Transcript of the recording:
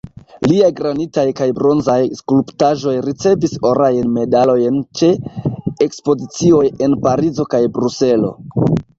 Liaj granitaj kaj bronzaj skulptaĵoj ricevis orajn medalojn ĉe ekspozicioj en Parizo kaj Bruselo.